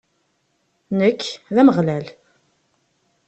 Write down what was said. Nekk, d Ameɣlal.